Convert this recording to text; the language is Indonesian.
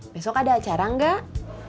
besok ada acara nggak